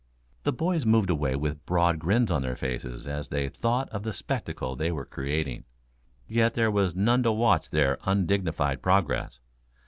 The boys moved away with broad grins on their faces as they thought of the spectacle they were creating. Yet there was none to watch their undignified progress.